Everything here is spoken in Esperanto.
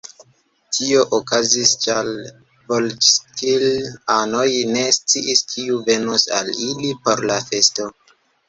Tio okazis, ĉar volĵskij-anoj ne sciis, kiu venos al ili por la festo.